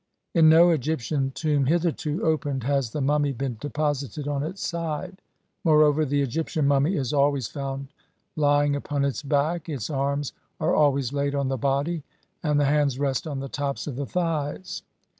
In no Egyptian tomb hitherto opened has the mummy been deposited on its side ; moreover, the Egyptian mummy is always found lying upon its back, its arms are always laid on the body, and the hands rest on the tops of the thighs.